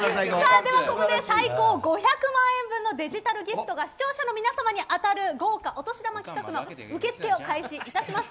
では、ここで最高５００万円分のデジタルギフトが視聴者の皆様に当たる豪華お年玉企画の受け付けを開始いたしました。